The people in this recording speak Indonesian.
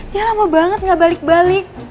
dia lama banget gak balik balik